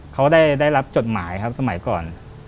เขาได้รับจดหมายครับสมัยก่อน